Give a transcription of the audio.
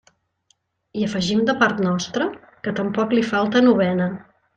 I afegim de part nostra que tampoc li falta novena.